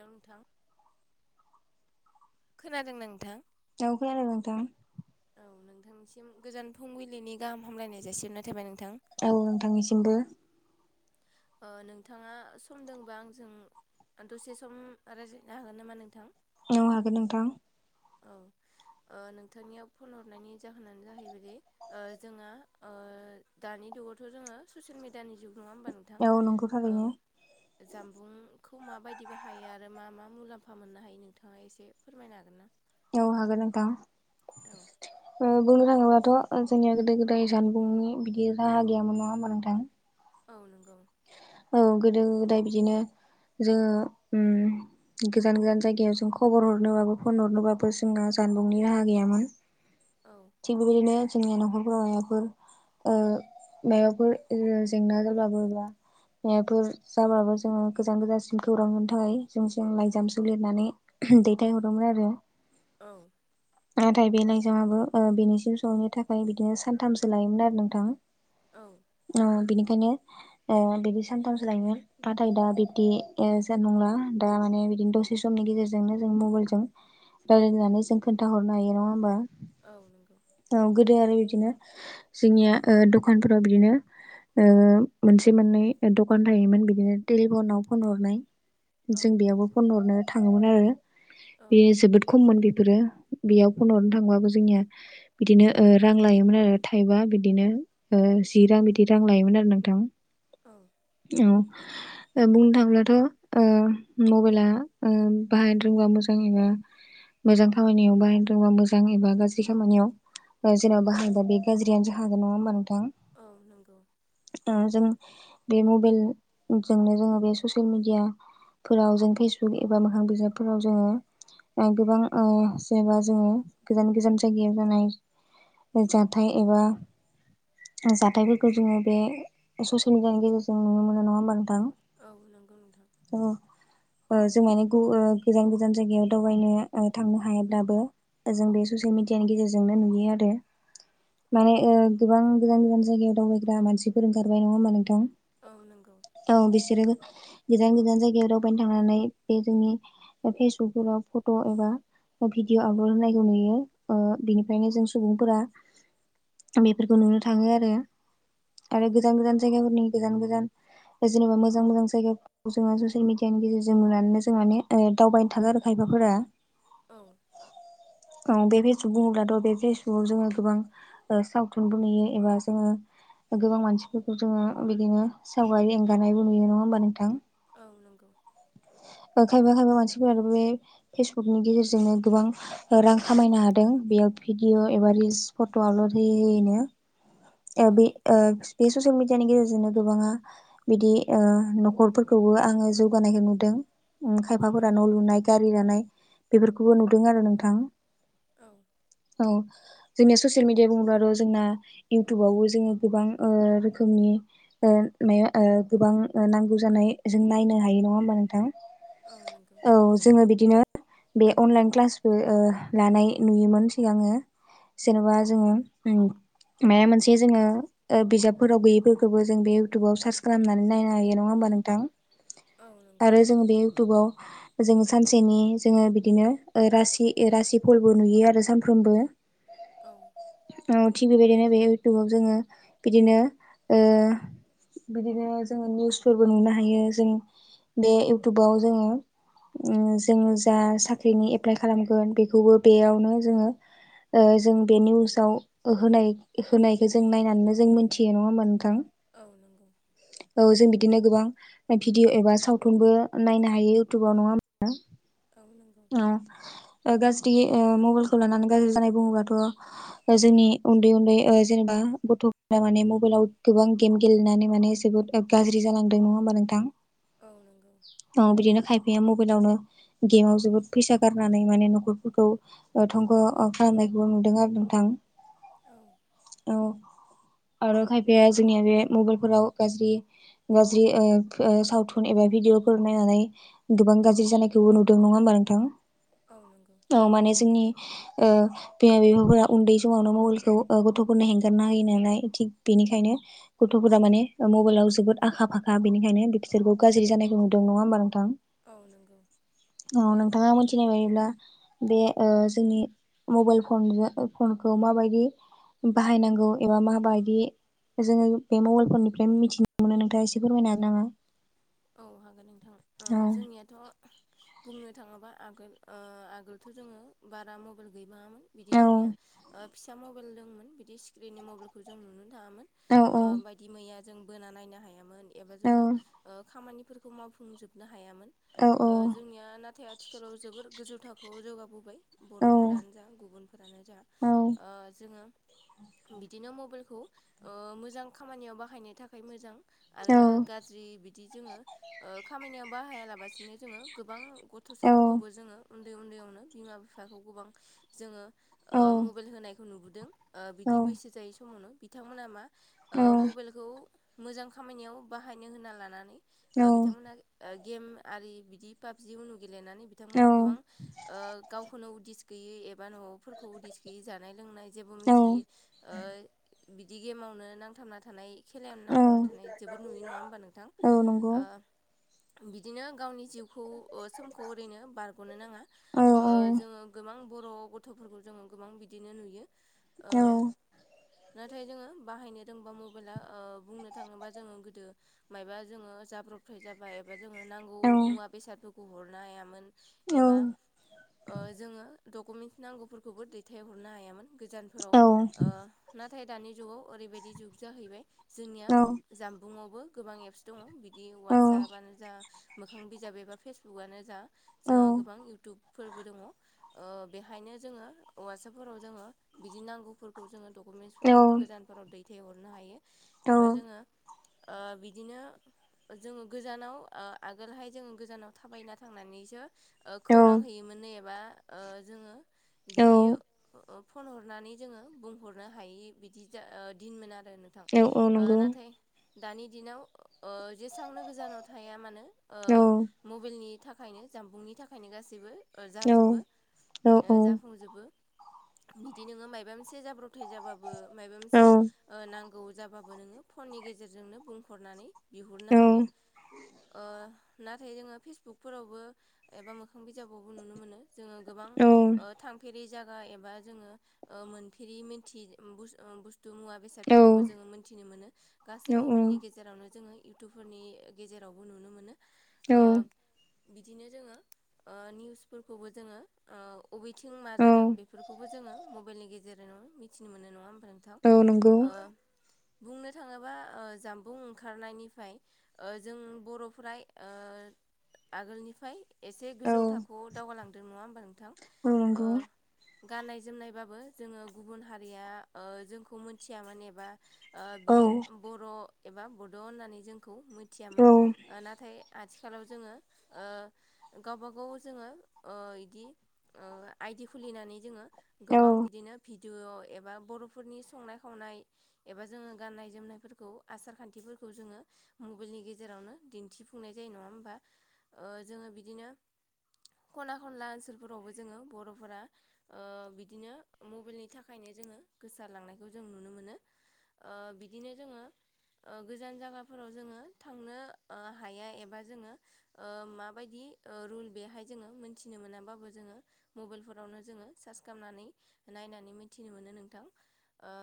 नोंथां खोनादों नोंथां? औ खोनादों नोंथां। औ नोंथांसिम गोजान फुंबिलिनि गाहाम हामलायनाय जासिहरनाय थाबाय नोंथां। औ नोंथांनिसिमबो। ओ नोंथाङा सम दोंबा आंजों दसे सम रायज्लायनो हागोन नामा नोंथां? औ हागोन नोंथां। औ ओ नोंथांनियाव फन हरनायनि जाहोनानो जाहैबायदि ओ जोंहा ओ दानि जुगावथ' जोङो ससियेल मिडियानि जुग नङा होमबा? थां औ नंगौ ओ थारैनो जामबुंखौ माबायदि बाहायो आरो मा मा मुलाम्फा मोननो हायो नोंथाङा एसे फोरमायनो हागोन ना? औ हागोन नोंथां। औ ओ बुंनो थाङोब्लाथ' जोंनिया गोदो गोदाय जानबुंनि बिदि राहा गैयामोन नङा होमबा नोंथां? औ नंगौ। औ गोदो गोदाय बिदिनो जोङो गोजान गोजान जायगायाव जों खबर हरनोबाबो फन हरनोबाबो जोंहा जानबुंनि राहा गैयामोन। औ। थिग बेबायदिनो जोंनिया न'खरफोराव माबफोर ओ‌ माबाफोर जेंना जाबाबो मफोर जाब्लाबो जोङो गोजान गोजानसिम खौरां मोनो थाखाय जों जों लाइजामसो लिरनानै दैथायहरोमोन आरो। औ। नाथाय बे लाइजामाबो ओ बेनिसिम सहैनो थाखाय बिदिनो सानथामसो लायोमोन आरो नोंथां। औ। औ बिनिखायनो बिदि सानथामसो लायोमोन नाथाय दा बिब्दि ज नंला दा माने बिदिनो दसे समनि गेजेरजोंनो जों मबाइलजों राय्लायनानै जों खोन्थाहरनो हायो नङा होमबा? औ नंगौ। औ गोदो आरो बिदिनो जोंनिया दखानफोराव बिदिनो ओ मोनसे मोननै दखान थायोमोन बिदिनो टेलिफनाव फन हरनाय औ जों बेयावबो फन हरनो थाङोमोन आरो औ बेयो जोबोद खममोन बेफोरो बेयाव फन हरनो थांबाबो जोंनिया बिदिनो रां लायोमोन आरो थाइबा बिदिनो ओ जि रां बिदि रां लायोमोन आरो नोंथां। औ। औ। बुंनो थाङोब्लाथ' मबाइला बाहायनो रोंबा मोजां [unintelligible] मोजां खामानियाव बाहायदोंबा मोजां एबा गाज्रि खामानियाव जेननब बाहागबा बे गाज्रियानो ज हाग नङा होमबा नोंथां? औ नंगौ। ओ जों बे मबाइलजोंनो जोङो बे ससियेल मिडिया फोराव जों फेसबुक एबा मोखां बिजाबफोराव जोङो गोबां ओ जेनेबा जोङो गोजान गोजान जायगायाव जानाय जाथाय एबा जाथायफोरखौ जोङो बे ससियेल मिडियानि गेजेरजों नुनो मोनो नङा होमबा नोंथां? औ नंगौ नोंथां। औ। ओ जों मानि गु ओ गोजान गोजान जायगायाव दावबायनो ओ थांनो हाया दाबो। जों बे ससियेल मिडियानि गेजेरजोंनो नुयो आरो। औ माने गोबां गोजान गोजान जायगायाव दावबायग्रा मानसिफोर ओंखारबाय नङा होमा नोंथां? औ नंगौ। औ बिसोरो गोजान गोजान जायगायाव दावबायनो थांनानै बे जोंनि फेसबुक फोराव फट' एबा भिडिअ आपलड होनायखौ नुयो बिनिफ्रायनो जों सुबुंफोरा बेफोरखौ नुनो थाङो आरो। औ आरो गोजान गोजान जायगाफोरनि गोजान गोजान जेनेबा मोजां मोजां जायगा जोङो ससियेल मिडियानि गेजेरजों नुनानैनो जों माने दावबायनो थालो आरो खायफाफोरा। औ। औ बे फेसबुक बुङोब्लाथ' बे फेसबुकआव जोङो गोबां ओ सावथुनबो नुयो एबा जोङो गोबां मानसिफोरखौ जोङो बिदिनो सावगारि एंगारनायबो नुयो नङा होमबा नोंथां? औ नंगौ। ओ खायफा खायफा मानसिफोराथ' बे फेसबुकनि गेजेरजोंनो गोबां रां खामायनो हादों बेयाव भिडिअ' एबा रिल्स फट' आपलड होयै होयैनो ओ औ बे ओ बे ससियेल मिडियानि गेजेरजोंनो गोबाङा बिदि ओ न'खरफोरखौबो आङो जौगानायखौ नु दों उम औ खायफाफोरा न' लुनाय गारि लानाय बेफोरखौबो नुदों आरो नोंथां। औ औ जोंनिया ससियेल मिडिया बुङोब्ला र' जोंना इउटुबावबो जोङो गोबां ओ रोखोमनि [unintelligible] ओ गोबां नांगौ जानाय जों नायनो हायो नङा होमबा नोंथां औ नोंगौ औ जोङो बिदिनो बे अनलाइन क्लासबो ओ लानाय नुयोमोन सिगाङो। जेन'बा जोङो उम माया मोनसे जोङो ओ बिजाबफोराव गैयैफोरखोबो जों बे इउटुबाव सार्च खालामनानै नायनो हायो नङा होमबा नोंथां? औ नंगौ आरो जोङो बे इउटुबाव जों सानसेनि जोङो बिदिनो ओ रासि [unintelligible] रासि फलबो नुयो आरो सानफ्रोमबो। औ औ थिग बेबायदिनो बे इउटुबाव जोङो बिदिनो ओ बिदिनो जोङो निउसफोरबो नुनो हायो जों बे इउटुबाव जोङो उम जोङो जा साख्रिनि एप्लाइ खालामगोन बेखौबो बेयावनो जोङो ओ जों बे निउसाव ओ होनाय-होनायखो जों नायनानैनो जों मोनथियो नङा होमबा नोंथां औ नोंगौ औ जों बिदिनो गोबां भिडिअ एबा सावथुनबो नायनो हायो इउटुबाव नङा औ नोंगौ। औ ओ गाज्रि ओ मबाइलखौ लानानै गाज्रि जानाय बुङोबाथ' ओ जोंनि उन्दै-उन्दै ओ जेनेबा गथ' दा माने मबाइलाव गोबां गेम गेलेनानै माने जोबोद गाज्रि जालांदों नङा होमबा नोंथां? औ नंगौ औ बिदिनो खायफाया मबाइलावनो गेमाव जोबोद फैसा गारनानै माने न'खरफोरखौ ओ धंख' खालामनायखौबो नुदों आरो नोंथां औ औ आरो खायफाया जोंनिया बे मबाइलफोराव गाज्रि गाज्रि ओ फो सावथुन एबा भिदिअफोर नायनानै गोबां गाज्रि जानायखौबो नुदों नङा होमबा नोंथां औ नंगौ औ माने जोंनि ओ बिमा बिफाफोरा उन्दै समावनो मबाइलखौ ओ गथ'फोरनो हेंगारना होयो नालाय थिग बेनिखायनो गथ'फोरा माने ओ मबाइलाव जोबोद आखा फाखा बेनिखायनो बिकसोरखौ गाज्रि जानायखौ नुदों नङा होमबा नोंथां औ नोंगौ औ नोंथाङा मोनथिनाय बायदिब्ला बे ओ जोंनि मबाइल फनजो फनखौ माबायदि बाहायनांगौ एबा माहबायदि जोङो बे मबाइल फननिफ्राय मिथिनो मोनो नोंथाङा एसे फोरमायनो हागोन नामा? औ हागोन नोंथां ओ औ जोंनियाथ' बुंनो थाङोबा आगोल ओ आगोलथ' जोङो बारा मबाइल गैबाङामोन। बिदि औ जोंनिया ओ फिसा मबेल दोंमोन बिदि स्क्रिननि मबाइलखौ जों नुनो थाङामोन। औ ओ बायदि मैया जों बोना नायनो हायामोन एबा औ जोङो ओ खामानिफोरखौ मावफुंजोबनो हायामोन। औ ओ औ जोंनिया नाथाय आथिखालाव जोबोर गोजौ थाखोआव जौगाबोबाय। बर'फोरानो जा गुबुनफोरानो जा औ ओ जोङो बिदिनो मबेलखौ ओ मोजां खामानियाव बाहायनो थाखाय मोजां औ आरो गा गाज्रि बिदि जोङो ओ खामानियाव बाहायालाबासिनो जोङो गोबां औ गथसाफोरखौबो जोङो उन्दै उन्दैयावनो बिमा बिफाखौ गोबां जोङो। औ ओ-मबाइल होनायखौ नुबोदों बिदि बैसो जायै समावनो बिथांमोना मा। ओ-मबाइलखौ मोजां खामानियाव बाहायनो होनना लानानै ओ-बिथांमोना। ओ गेम आरि बिदि पाबजि उनु गेलेनानै औ बिथांमोनहा गोबां ओ-गावखौनो उदिस गैयै एबा नआव। फोरखौ उदिस गैयि जानाय लोंनाय जेबो मिथियै ओ बिदि गेमावनो नांथाबना थानाय खेलायावनो औ नांथाबना थानाय जोबोद नुयो नङा होमबा नोंथां? औ नंगौ ओ बिदिनो गावनि जिउखौ समखौ ओरैनो बारगनो नाङा औ औ जोङो गोबां बर गथफोरखौ जोङो गोबां बिदिनो नुयो ओ औ नाथाय जोङो बाहायनो रोंबा मबाइला ओ बुंनो थाङोबा जोङो गोदो मायबा जोङो जाब्रबथाय जाबा एबा जोङो नांगौ औ मुवा बेसादफोरखौ हरनो हायामोन। एबा ओ-जोङो डकुमेन्टस नांगौफोरखौबो दैथायहरनो हायामोन गोजान। फोराव औ ओ-नाथाय दानि जुगाव ओरैबायदि जुग जाहैबाय जोंनिया जानबुंआवबो गोबां एप्स दङ बिदि वाटसपनो जा मोखां बिजाब एबा फेसबुकअनो जा जोंहा गोबां इउटुबफोरबो दङ। ओ-बेहायनो जोङो वाटसपफोराव जोङो बिदि नांगौफोरखौ जोङो औ डकुमेन्टसफोरखौ गोजान। फोराव दैथायहरनो हायो औ औ एबा जोङो ओ बिदिनो जोङो गोजानाव ओ-आगोलहाय जोङो गोजानाव थाबायना थांनानैसो ओ औ खौरां हैयोमोन नै एबा जोङो औ बिदि फन हरनानै जोङो बुंहरनो हायि बिदि जा दिनमोन आरो नों थां औ ओ नंगौ नाथाय दानि दिनाव जेसांनो गोजानाव थाया मानो औ ओ-मबाइलनि थाखायनो जामबुंनि थाखायनो गासैबो नंगौ जाजोबो औ ओ-जाफुंजोबो बिदि नोङो माबा मोनसे जाब्रब उथाय जाबाबो माबा औ मोनसे ओ नांगौ जाबाबो नोङो फननि गेजेरजोंनो बुंहरनानै बिहरनो औ हायो ओ नाथाय जोङो फेसबुकफोरावबो एबा मोखां बिजाबावबो नुनो मोनो जोङो गोबां औ ओ-थांफेरै जागा एबा जोङो ओ-मोनफेरि मोनथि बुस्तु एबा बेसादफोरखौबो जोङो मोन्थिनो मोनो गासै मबाइलनि गेजेरावनो जोङो इउटुबफोरनि गेजेरावबो नुनो मोनो ओ औ बिदिनो जोङो ओ निउसफोरखौबो जोङो ओ-अबेथिं मा औ जादों बेफोरखौबो जोङो मबाइलनि गेजेरावनो मिथिनो मोनो नङा होनबा नों थां औ नंगौ ओ-बुंनो थाङोबा ओ-जामबुं ओंखारनायनि फ्राय जों बरफोरा ओ‌ आगोलनिफ्राय एसे औ गोजौ थाखोआव दावगालांदों नङा होमबा नोंथां औ नंगौ ओ गाननाय जोमनायबाबो जोङो गुबुन हारिया ओ जोंखौ मोनथियामोन एबा औ ओ-बियो बर एबा बड होननानै जोंखौ मिथियामोन ओ-नाथाय आथिखालाव जोङो ओ गावबा गाव जोङो ओ-इदि आइदि खुलिनानै जोङो औ गोबां बिदिनो भिडिअ एबा बरफोरनि संनाय खावनाय एबा जोङो गाननाय जोमनायफोरखौ आसार खान्थिफोरखौ जोङो मबाइलनि गेजेरावनो दिन्थिफुंनाय जायो नङा होमबा ओ-जोङो बिदिनो खना खनला ओनसोलफोरावबो जोङो बरफोरा ओ-बिदिनो मबाइलनि थाखायनो जोङो गोसारलांनायखौ जों नुनो मोनो ओ-बिदिनो जोङो ओ-गोजान जागा फोराव जोङो थांनो हाया एबा जोङो ओ-माबायदि ओ-रुल बेहाय जोङो मोनथिनो मोनाबाबो जोङो मबाइलफोरावनो जोङो सार्च खालामनानै नायनानै मिथिनो मोनो नोंथां ओ